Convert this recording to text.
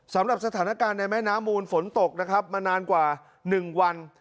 สำหรับสถานการณ์ในแม่น้ำมูลฝนตกนะครับมานานกว่า๑วัน